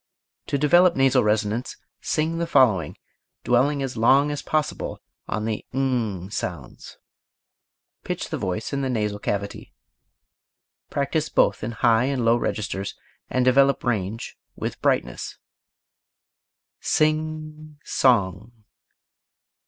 To develop nasal resonance sing the following, dwelling as long as possible on the ng sounds. Pitch the voice in the nasal cavity. Practise both in high and low registers, and develop range with brightness. Sing song.